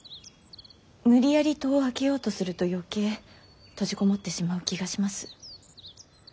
無理やり戸を開けようとすると余計閉じ籠もってしまう気がします。